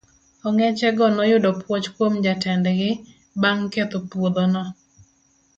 Ong'eche go noyudo puoch kuom jatend gi bang' ketho puodhono.